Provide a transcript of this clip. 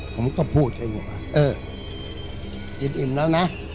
ผมก็พูดให้เขาว่าเออกินอิ่มแล้วนะ